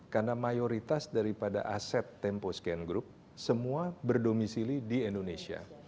karena mayoritas daripada aset tempo scan group semua berdomisili di indonesia